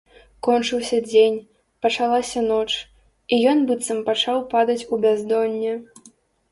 Кончыўся дзень, пачалася ноч, і ён быццам пачаў падаць у бяздонне.